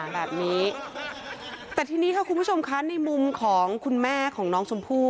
แบบนี้แต่ทีนี้ค่ะคุณผู้ชมคะในมุมของคุณแม่ของน้องชมพู่